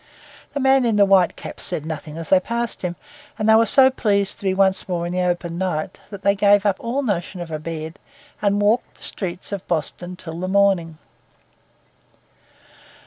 The man in the white cap said nothing as they passed him; and they were so pleased to be once more in the open night that they gave up all notion of a bed, and walked the streets of Boston till the morning.